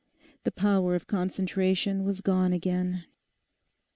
The power of concentration was gone again.